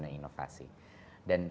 dan inovasi dan